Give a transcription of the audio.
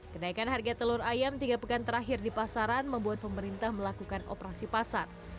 kenaikan harga telur ayam tiga pekan terakhir di pasaran membuat pemerintah melakukan operasi pasar